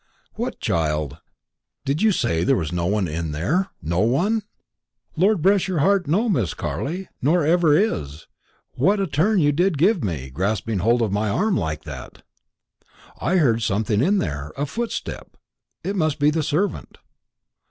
"What, child?" "Did you say there was no one in there no one?" "Lord bless your heart, no, Miss Carley, nor ever is. What a turn you did give me, grasping hold of my arm like that!" "I heard something in there a footstep. It must be the servant."